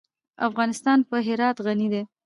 افغانستان په هرات غني دی.